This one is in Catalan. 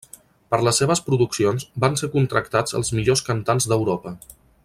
Per les seves produccions van ser contractats els millors cantants d'Europa.